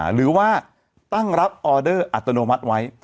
หรือว่าตั้งรับออเดอร์อัตโนมัติไว้